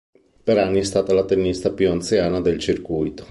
Per anni è stata la tennista più anziana del circuito.